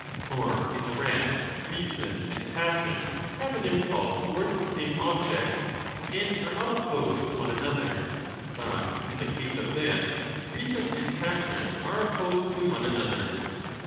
For in the rest reason and passion have an impulse towards the same objects and are not opposed to one another, but in the case of this reason and passion are opposed to one another.